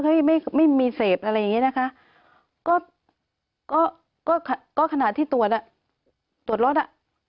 ไม่ไม่มีเสพอะไรอย่างนี้นะคะก็ก็ขณะที่ตรวจอ่ะตรวจรถอ่ะ